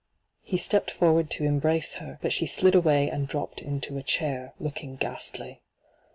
He stepped forward to embrace her, but she slid away and dropped into a chair, look ing ghastly.